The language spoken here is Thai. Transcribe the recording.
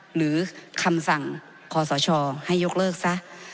หรือคำสั่งขอสชให้ยกเลิกซะ